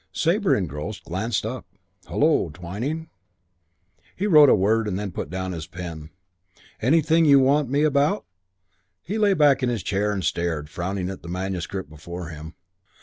Sabre, engrossed, glanced up. "Hullo, Twyning." He wrote a word and then put down his pen. "Anything you want me about?" He lay back in his chair and stared, frowning, at the manuscript before him.